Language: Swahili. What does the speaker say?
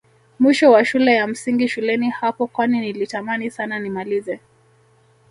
Mwisho wa shule ya msingi shuleni hapo kwani nilitamani Sana nimalize